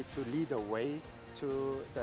untuk membawa kembali